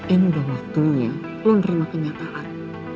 ini udah waktunya lo nerima kenyataan